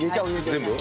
全部？